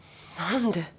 何で。